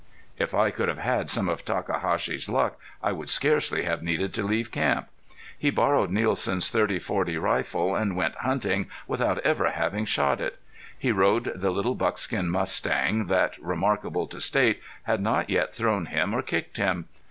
If I could have had some of Takahashi's luck I would scarcely have needed to leave camp. He borrowed Nielsen's 30 40 rifle and went hunting without ever having shot it. He rode the little buckskin mustang, that, remarkable to state, had not yet thrown him or kicked him.